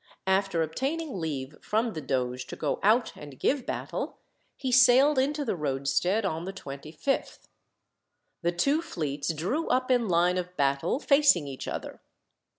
After obtaining leave from the doge to go out and give battle, he sailed into the roadstead on the 25th. The two fleets drew up in line of battle, facing each other.